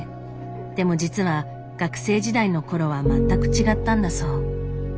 でも実は学生時代のころは全く違ったんだそう。